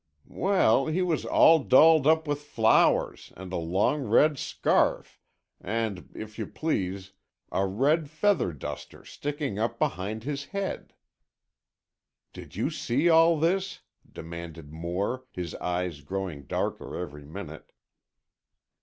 "Well, he was all dolled up with flowers and a long red scarf, and, if you please, a red feather duster sticking up behind his head——" "Did you see all this?" demanded Moore, his eyes growing darker every minute.